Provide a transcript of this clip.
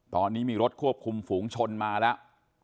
ตอนนี้มีรถควบคุมฝูงชนมาแล้ว